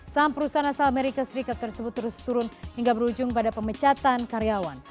saham perusahaan asal amerika serikat tersebut terus turun hingga berujung pada pemecatan karyawan